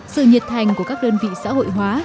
sự nhiệt thành của các đơn vị xã hội hóa